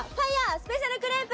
スペシャルクレープ。